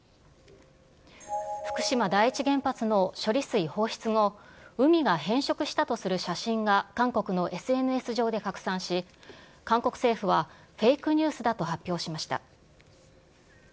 福島第一原発の処理水放出後、海が変色したとする写真が、韓国のＳＮＳ上で拡散し、韓国政府は、フェイクニュースだと発表しました。